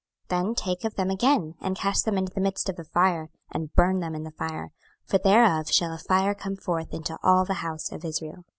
26:005:004 Then take of them again, and cast them into the midst of the fire, and burn them in the fire; for thereof shall a fire come forth into all the house of Israel.